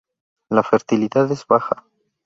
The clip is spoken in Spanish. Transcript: La fertilidad es baja.